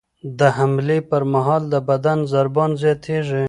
د حملې پر مهال د بدن ضربان زیاتېږي.